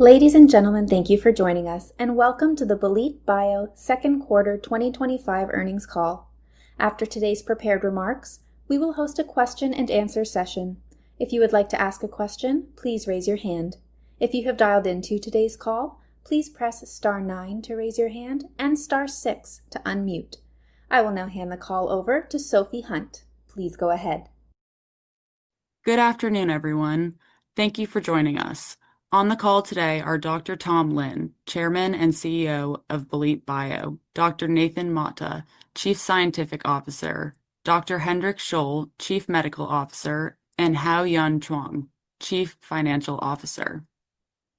Ladies and gentlemen, thank you for joining us and welcome to the Belite Bio Second Quarter 2025 Earnings Call. After today's prepared remarks, we will host a question-and-answer session. If you would like to ask a question, please raise your hand. If you have dialed in to today's call, please press star nine to raise your hand and star 6 to unmute. I will now hand the call over to Sophie Hunt. Please go ahead. Good afternoon, everyone. Thank you for joining us. On the call today are Dr. Tom Lin, Chairman and CEO of Belite Bio, Dr. Nathan L. Mata, Chief Scientific Officer, Dr. Hendrik Scholl, Chief Medical Officer, and Hao-Yuan Chuang, Chief Financial Officer.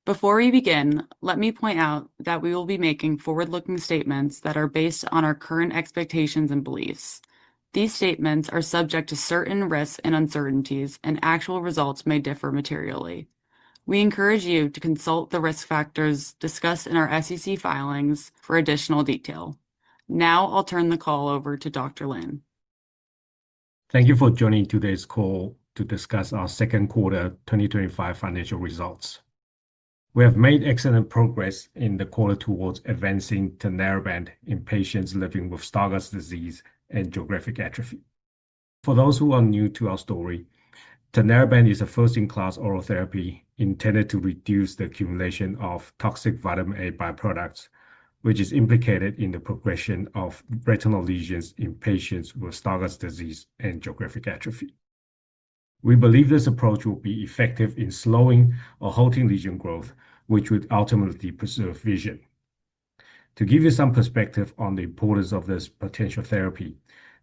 Before we begin, let me point out that we will be making forward-looking statements that are based on our current expectations and beliefs. These statements are subject to certain risks and uncertainties, and actual results may differ materially. We encourage you to consult the risk factors discussed in our SEC filings for additional detail. Now, I'll turn the call over to Dr. Lin. Thank you for joining today's call to discuss our second quarter 2025 financial results. We have made excellent progress in the quarter towards advancing Tinlarebant in patients living with Stargardt’s disease and geographic atrophy. For those who are new to our story, Tinlarebant is a first-in-class oral therapy intended to reduce the accumulation of toxic vitamin A byproducts, which is implicated in the progression of retinal lesions in patients with Stargardt’s disease and geographic atrophy. We believe this approach will be effective in slowing or halting lesion growth, which would ultimately preserve vision. To give you some perspective on the importance of this potential therapy,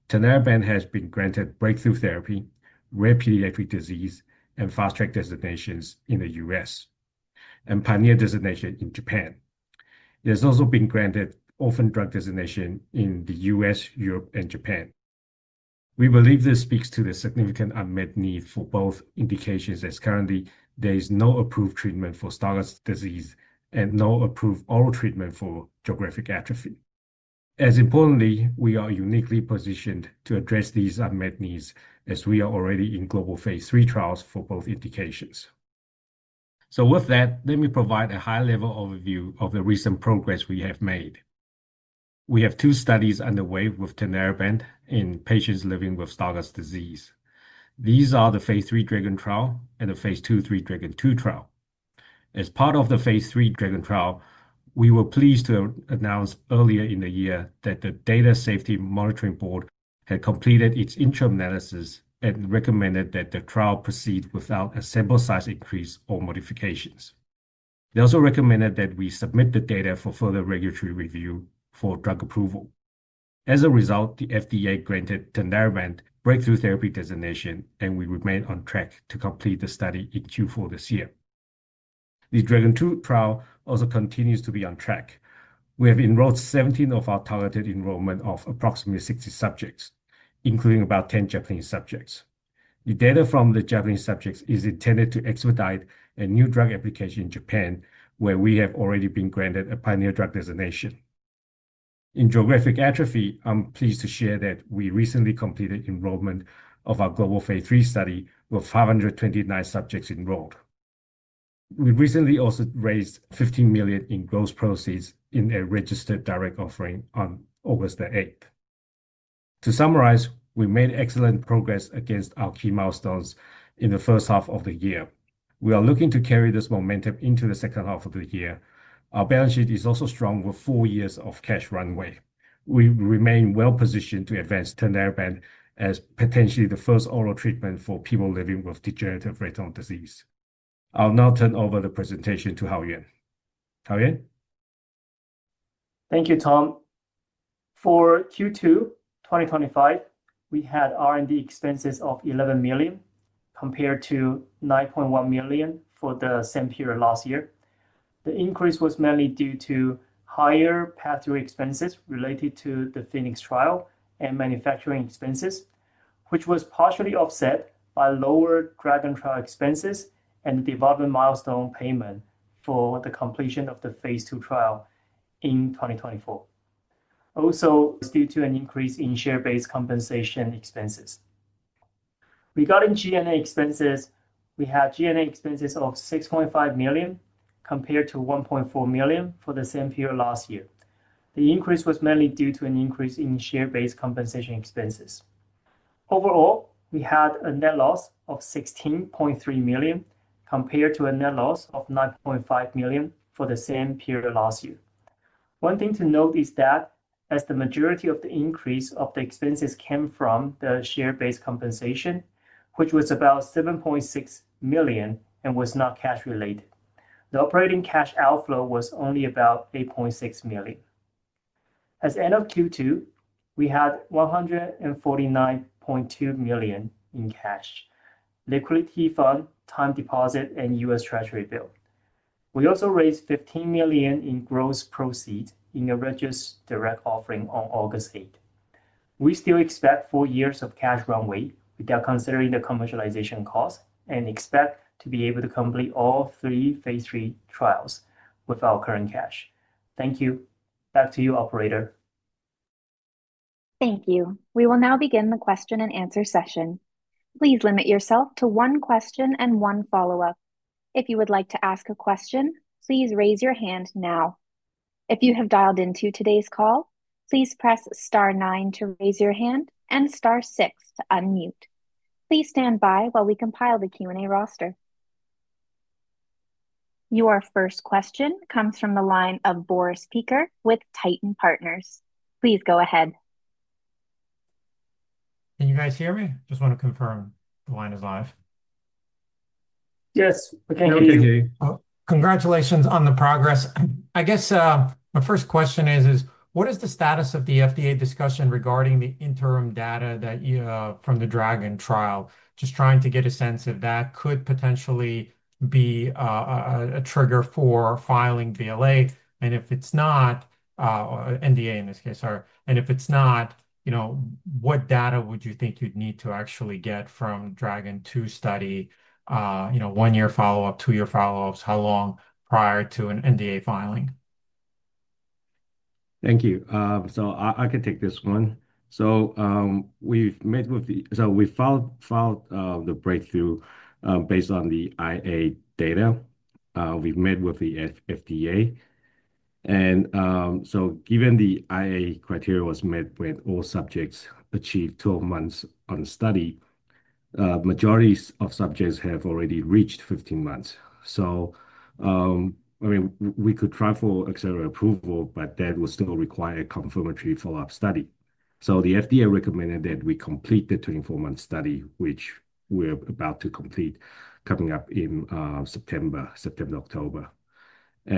Tinlarebant has been granted Breakthrough Therapy, Rare Pediatric Disease, and Fast Track designations in the U.S., and Pioneer designation in Japan. It has also been granted Orphan Drug status in the U.S., Europe, and Japan. We believe this speaks to the significant unmet need for both indications, as currently there is no approved treatment for Stargardt’s disease and no approved oral treatment for geographic atrophy. Importantly, we are uniquely positioned to address these unmet needs, as we are already in global phase three trials for both indications. Let me provide a high-level overview of the recent progress we have made. We have two studies underway with Tinlarebant in patients living with Stargardt’s disease. These are the phase three Dragon trial and the phase two/three Dragon II trial. As part of the phase three Dragon trial, we were pleased to announce earlier in the year that the Data Safety Monitoring Board had completed its interim analysis and recommended that the trial proceed without a sample size increase or modifications. They also recommended that we submit the data for further regulatory review for drug approval. As a result, the FDA granted Tinlarebant Breakthrough Therapy designation, and we remain on track to complete the study in Q4 this year. The Dragon II trial also continues to be on track. We have enrolled 17 of our targeted enrollment of approximately 60 subjects, including about 10 Japanese subjects. The data from the Japanese subjects is intended to expedite a New Drug Application in Japan, where we have already been granted a Pioneer drug designation. In geographic atrophy, I'm pleased to share that we recently completed enrollment of our global phase three study with 529 subjects enrolled. We recently also raised $15 million in gross proceeds in a registered direct offering on August 8. To summarize, we made excellent progress against our key milestones in the first half of the year. We are looking to carry this momentum into the second half of the year. Our balance sheet is also strong with four years of cash runway. We remain well positioned to advance Tinlarebant as potentially the first oral treatment for people living with degenerative retinal disease. I'll now turn over the presentation to Hao-Yuan. Thank you, Tom. For Q2 2025, we had R&D expenses of $11 million compared to $9.1 million for the same period last year. The increase was mainly due to higher pathway expenses related to the Phoenix trial and manufacturing expenses, which was partially offset by lower grad and trial expenses and the development milestone payment for the completion of the phase two trial in 2024. Also, due to an increase in share-based compensation expenses. Regarding G&A expenses, we had G&A expenses of $6.5 million compared to $1.4 million for the same period last year. The increase was mainly due to an increase in share-based compensation expenses. Overall, we had a net loss of $16.3 million compared to a net loss of $9.5 million for the same period last year. One thing to note is that as the majority of the increase of the expenses came from the share-based compensation, which was about $7.6 million and was not cash related, the operating cash outflow was only about $8.6 million. At the end of Q2, we had $149.2 million in cash, liquidity fund, time deposit, and U.S. Treasury bill. We also raised $15 million in gross proceeds in a registered direct offering on August 8th. We still expect four years of cash runway without considering the commercialization costs and expect to be able to complete all three phase three trials with our current cash. Thank you. Back to you, operator. Thank you. We will now begin the question and answer session. Please limit yourself to one question and one follow-up. If you would like to ask a question, please raise your hand now. If you have dialed in to today's call, please press star 9 to raise your hand and star 6 to unmute. Please stand by while we compile the Q&A roster. Your first question comes from the line of Boris Peaker with Titan Partners. Please go ahead. Can you guys hear me? I just want to confirm the line is live. Yes, I can hear you. Congratulations on the progress. I guess my first question is, what is the status of the FDA discussion regarding the interim data that you have from the Dragon trial? Just trying to get a sense if that could potentially be a trigger for filing NDA. If it's not, what data would you think you'd need to actually get from Dragon II study, one-year follow-up, two-year follow-ups? How long prior to an NDA filing? Thank you. I could take this one. We've made, we filed the Breakthrough Therapy based on the IA data we've made with the FDA. Given the IA criteria was met when all subjects achieved 12 months on the study, the majority of subjects have already reached 15 months. We could try for accelerated approval, but that would still require a confirmatory follow-up study. The FDA recommended that we complete the 24-month study, which we're about to complete coming up in September, September, October. We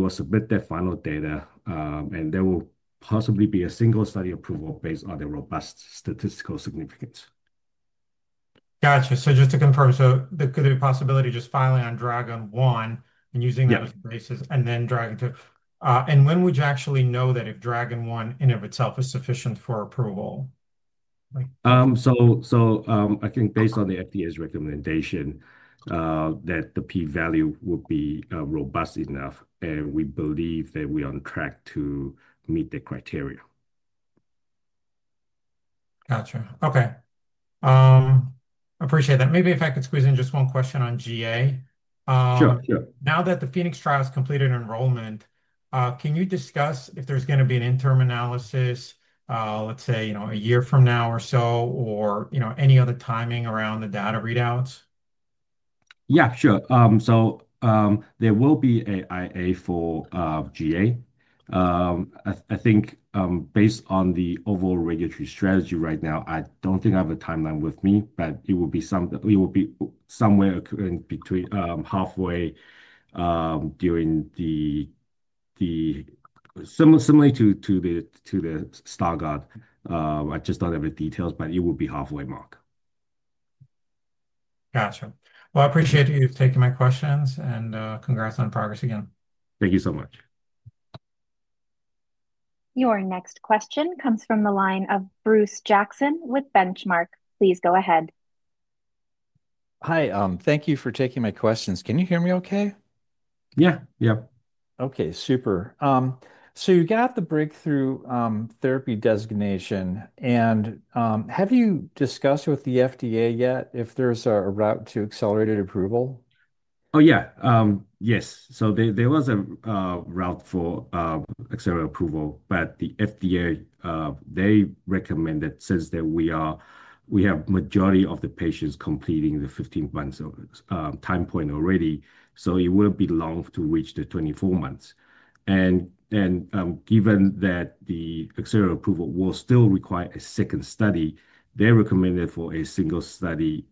will submit that final data, and there will possibly be a single study approval based on the robust statistical significance. Gotcha. Just to confirm, could it be a possibility just filing on Dragon and using that as a basis and then Dragon II? When would you actually know that if Dragon in and of itself is sufficient for approval? I think based on the FDA's recommendation that the P-value would be robust enough, and we believe that we are on track to meet the criteria. Gotcha. Okay. Appreciate that. Maybe if I could squeeze in just one question on geographic atrophy. Sure, sure. Now that the Phoenix trial has completed enrollment, can you discuss if there's going to be an interim analysis, let's say a year from now or so, or any other timing around the data readouts? Yeah, sure. There will be an IA for geographic atrophy. I think based on the overall regulatory strategy right now, I don't think I have a timeline with me, but it will be somewhere in between halfway during the, similarly to the Stargardt’s. I just don't have the details, but it will be halfway mark. Gotcha. I appreciate you taking my questions, and congrats on progress again. Thank you so much. Your next question comes from the line of Bruce Jackson with Benchmark. Please go ahead. Hi. Thank you for taking my questions. Can you hear me okay? Yeah, yeah. Okay. Super. You got the Breakthrough Therapy designation, and have you discussed with the FDA yet if there's a route to accelerated approval? Yes. There was a route for accelerated approval, but the FDA recommended since we have a majority of the patients completing the 15-month time point already, it wouldn't be long to reach the 24 months. Given that the accelerated approval will still require a second study, they recommended a single study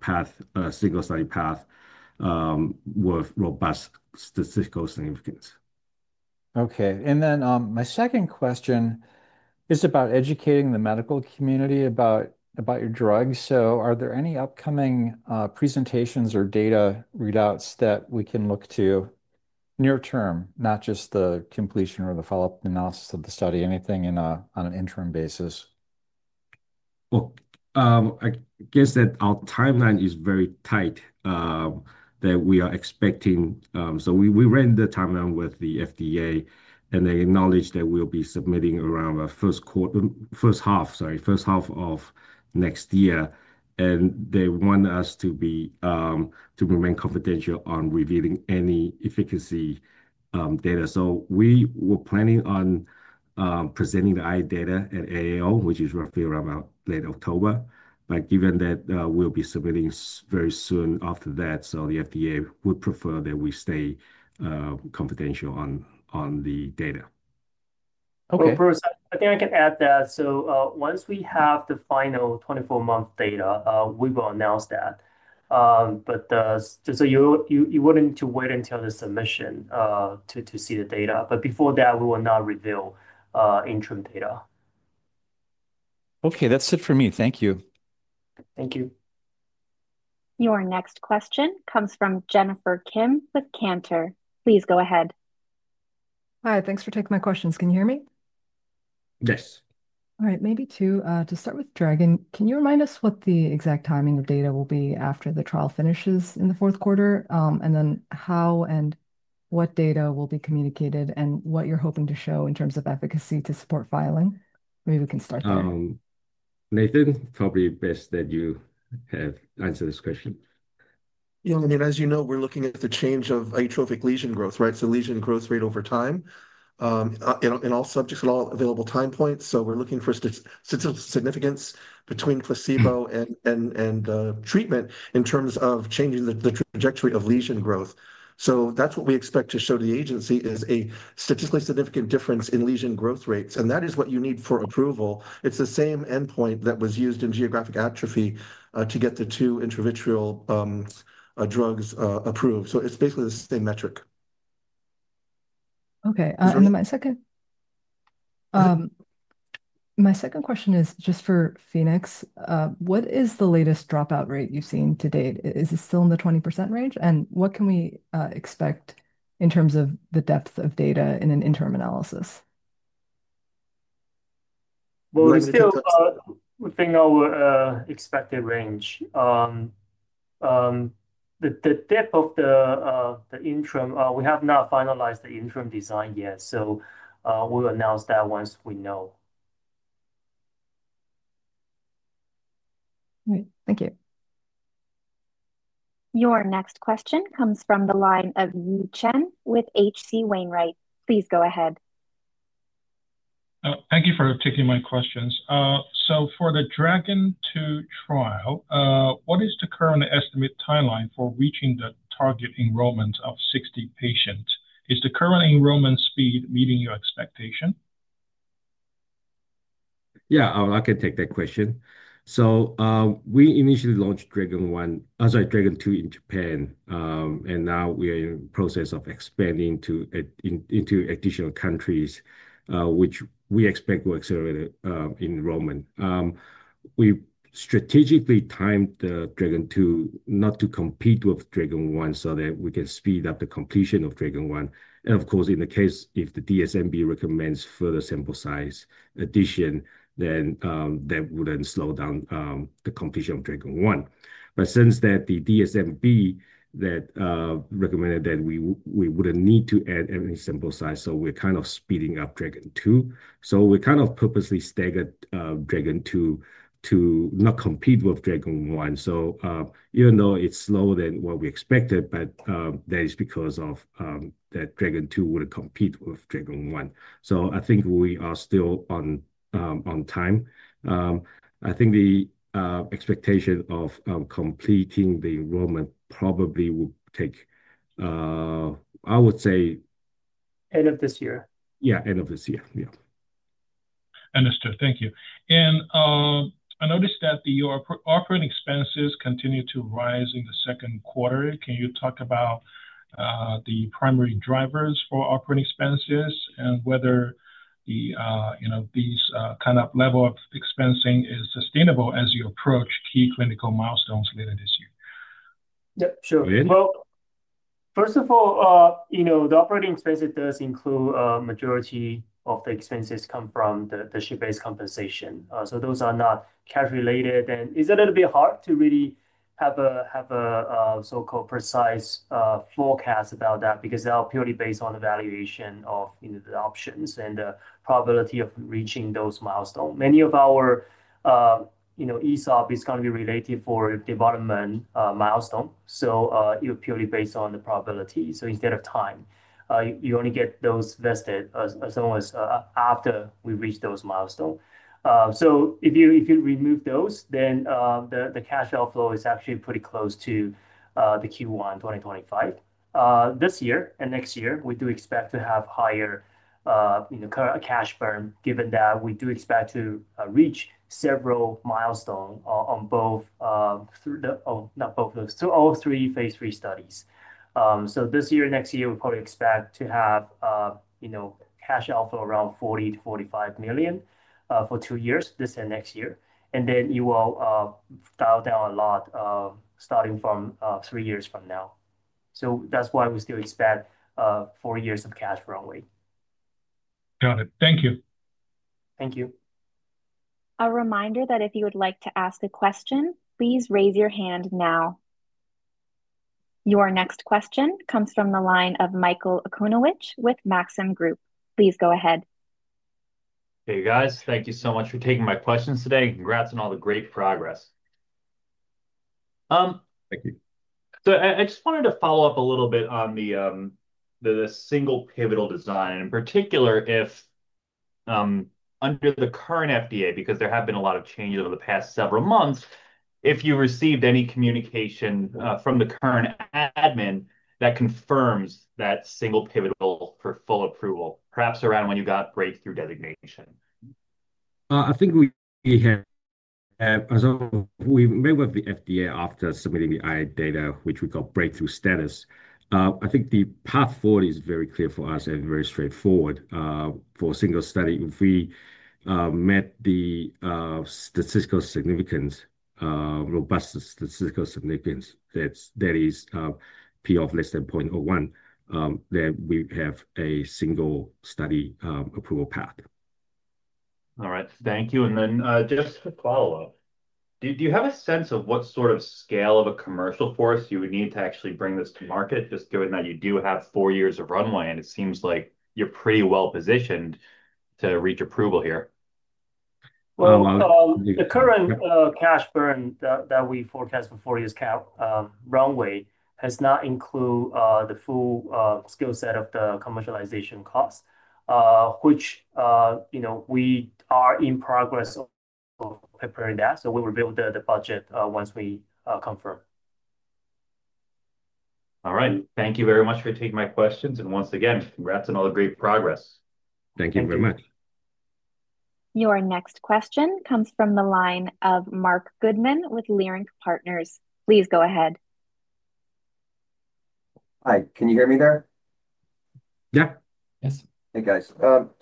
path with robust statistical significance. Okay. My second question is about educating the medical community about your drugs. Are there any upcoming presentations or data readouts that we can look to near-term, not just the completion or the follow-up analysis of the study, anything on an interim basis? Our timeline is very tight that we are expecting. We ran the timeline with the FDA, and they acknowledged that we'll be submitting around the first half of next year. They want us to remain confidential on revealing any efficacy data. We were planning on presenting the IA data at AAO, which is roughly around late October, but given that we'll be submitting very soon after that, the FDA would prefer that we stay confidential on the data. Okay. I think I can add that. Once we have the final 24-month data, we will announce that. Just so you wouldn't need to wait until the submission to see the data, before that, we will not reveal interim data. Okay. That's it for me. Thank you. Thank you. Your next question comes from Jennifer Kim with Cantor. Please go ahead. Hi. Thanks for taking my questions. Can you hear me? Yes. All right. Maybe two. To start with Dragon, can you remind us what the exact timing of data will be after the trial finishes in the fourth quarter, and then how and what data will be communicated and what you're hoping to show in terms of efficacy to support filing? Maybe we can start there. Nathan, probably best that you have answered this question. Yeah. I mean, as you know, we're looking at the change of atrophic lesion growth, right? Lesion growth rate over time in all subjects at all available time points. We're looking for statistical significance between placebo and treatment in terms of changing the trajectory of lesion growth. That's what we expect to show to the agency, a statistically significant difference in lesion growth rates. That is what you need for approval. It's the same endpoint that was used in geographic atrophy to get the two intravitreal drugs approved. It's basically the same metric. Okay. My second question is just for Phoenix. What is the latest dropout rate you've seen to date? Is it still in the 20% range? What can we expect in terms of the depth of data in an interim analysis? We still don't know the expected range. The depth of the interim, we have not finalized the interim design yet. We'll announce that once we know. Great. Thank you. Your next question comes from the line of Yi Chen with H.C. Wainwright. Please go ahead. Thank you for taking my questions. For the Dragon II trial, what is the current estimate timeline for reaching the target enrollment of 60 patients? Is the current enrollment speed meeting your expectation? Yeah, I can take that question. We initially launched Dragon II in Japan, and now we are in the process of expanding into additional countries, which we expect will accelerate enrollment. We strategically timed Dragon II not to compete with Dragon, so that we can speed up the completion of Dragon. In the case if the Data Safety Monitoring Board recommends further sample size addition, that wouldn't slow down the completion of Dragon. Since the Data Safety Monitoring Board recommended that we wouldn't need to add any sample size, we're kind of speeding up Dragon II. We purposely staggered Dragon II to not compete with Dragon. Even though it's slower than what we expected, that is because Dragon II wouldn't compete with Dragon. I think we are still on time. I think the expectation of completing the enrollment probably would take, I would say. End of this year. Yeah, end of this year. Yeah. Thank you. I noticed that your operating expenses continue to rise in the second quarter. Can you talk about the primary drivers for operating expenses and whether these kind of level of expensing is sustainable as you approach key clinical milestones later this year? Sure. First of all, the operating expenses do include a majority of the expenses coming from the share-based compensation. Those are not cash-related, and it's a little bit hard to really have a precise forecast about that because they are purely based on the valuation of the options and the probability of reaching those milestones. Many of our ESOP is going to be related to development milestones, so it will be purely based on the probability. Instead of time, you only get those vested after we reach those milestones. If you remove those, then the cash outflow is actually pretty close to Q1 2025. This year and next year, we do expect to have higher cash burn given that we do expect to reach several milestones through all three phase three studies. This year and next year, we probably expect to have cash outflow around $40-$45 million for two years, this and next year. It will dial down a lot starting from three years from now. That's why we still expect four years of cash runway. Got it. Thank you. Thank you. A reminder that if you would like to ask a question, please raise your hand now. Your next question comes from the line of Michael Okunewitch with Maxim Group. Please go ahead. Hey, guys. Thank you so much for taking my questions today. Congrats on all the great progress. Thank you. I just wanted to follow up a little bit on the single pivotal design. In particular, if under the current FDA, because there have been a lot of changes over the past several months, if you received any communication from the current admin that confirms that single pivotal for full approval, perhaps around when you got Breakthrough Therapy designation. I think we had, as we met with the FDA after submitting the IA data, which we call Breakthrough Therapy status, the path forward is very clear for us and very straightforward for a single study. If we met the statistical significance, robust statistical significance that is P of less than 0.01, then we have a single study approval path. All right. Thank you. Do you have a sense of what sort of scale of a commercial force you would need to actually bring this to market, just given that you do have four years of runway, and it seems like you're pretty well positioned to reach approval here? The current cash burn that we forecast for four years' runway does not include the full skill set of the commercialization costs, which, you know, we are in progress of preparing that. We will build the budget once we confirm. All right. Thank you very much for taking my questions. Once again, congrats on all the great progress. Thank you very much. Your next question comes from the line of Mark Goodman with Leerink Partners. Please go ahead. Hi, can you hear me there? Yeah. Yes. I guess what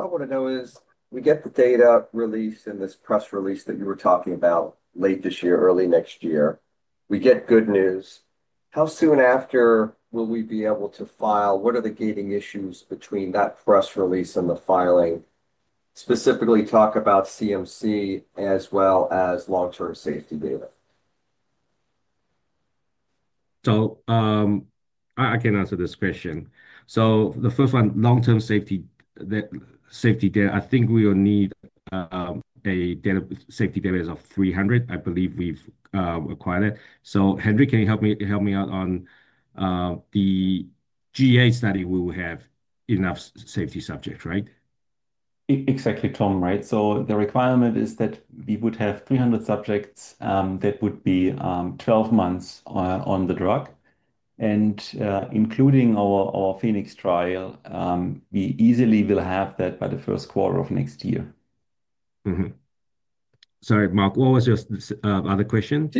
I want to know is we get the data release and this press release that you were talking about late this year, early next year. We get good news. How soon after will we be able to file? What are the gating issues between that press release and the filing? Specifically, talk about CMC as well as long-term safety data. I can answer this question. The first one, long-term safety data, I think we will need data safety data of 300. I believe we've acquired it. Hendrik, can you help me out on the GA study? We will have enough safety subjects, right? Exactly, Tom, right? The requirement is that we would have 300 subjects that would be 12 months on the drug. Including our Phoenix trial, we easily will have that by the first quarter of next year. Sorry, Mark, what was your other question?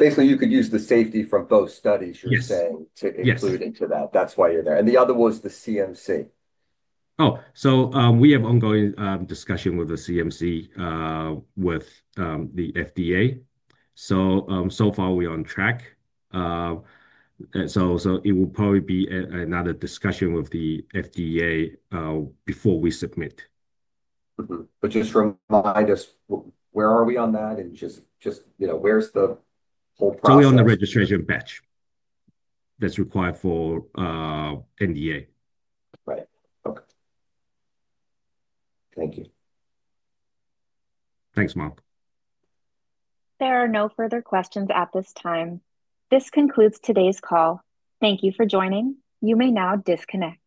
Basically, you could use the safety for both studies, you're saying, to include into that. That's why you're there. The other was the CMC. We have ongoing discussion with the CMC with the FDA. So far, we are on track. It will probably be another discussion with the FDA before we submit. Where are we on that? You know, where's the. We are on the registration batch that's required for NDA. Thanks, Mark. There are no further questions at this time. This concludes today's call. Thank you for joining. You may now disconnect.